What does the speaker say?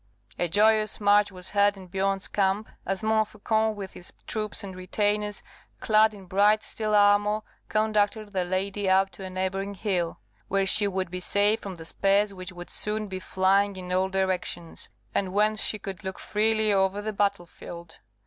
A joyous march was heard in Biorn's camp, as Montfaucon, with his troops and retainers, clad in bright steel armour, conducted their lady up to a neighbouring hill, where she would be safe from the spears which would soon be flying in all directions, and whence she could look freely over the battle field.